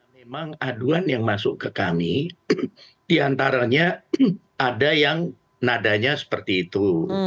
memang aduan yang masuk ke kami diantaranya ada yang nadanya seperti itu